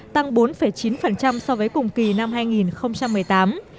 tăng bốn chín so với cùng kỳ năm hai nghìn một mươi tám